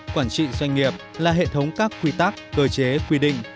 quản trị doanh nghiệp là hệ thống các quy tắc cơ chế quy định